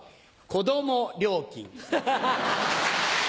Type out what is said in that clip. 子供料金。